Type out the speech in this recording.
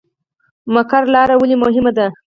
مقر لاره ولې مهمه ده؟